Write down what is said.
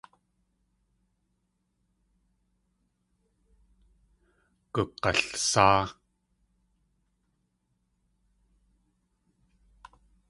Gug̲alsáa.